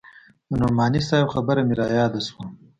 د نعماني صاحب خبره مې راياده سوه.